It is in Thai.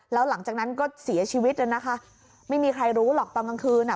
แล้วหลังจากนั้นก็เสียชีวิตน่ะนะคะไม่มีใครรู้หรอกตอนกลางคืนอ่ะ